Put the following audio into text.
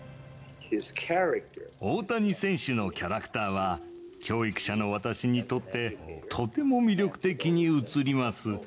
大谷選手のキャラクターは、教育者の私にとって、とても魅力的に映ります。